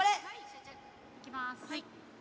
いきます。